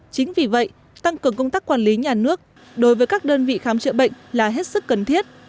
chính vì vậy tăng cường công tác quản lý nhà nước đối với các đơn vị khám chữa bệnh là hết sức cần thiết